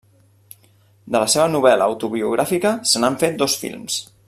De la seva novel·la autobiogràfica se n'han fet dos films.